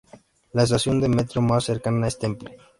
La estación de metro más cercana es Temple.